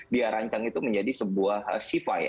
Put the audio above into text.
dia rancang itu menjadi sebuah sifi